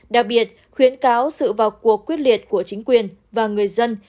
đặc biệt khuyến cáo sự vào cuộc quyết liệt của chính quyền và người dân